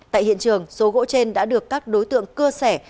tại hiện trường số gỗ trên đã được các đối tượng cưa sẻ